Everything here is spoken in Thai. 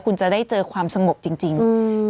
คุณจะได้เจอความสงบจริงจริงอืม